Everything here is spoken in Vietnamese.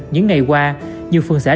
những nhà nước có thể được giải ngân